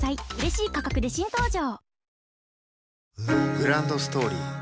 グランドストーリー